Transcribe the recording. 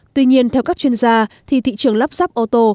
tuy nhiên theo các chuyên gia thì thị trường lắp ráp ô tô